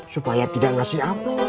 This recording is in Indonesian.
supaya tidak ngasih aplon